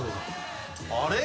あれ？